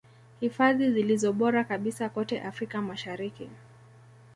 Hifadhi zilizo bora kabisa kote Afrika Mashariki